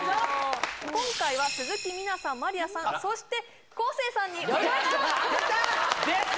今回は鈴木みなさんまりあさんそして昴生さんに挑戦してもらいます出た！